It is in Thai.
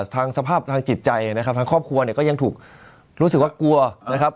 สภาพทางจิตใจนะครับทางครอบครัวเนี่ยก็ยังถูกรู้สึกว่ากลัวนะครับ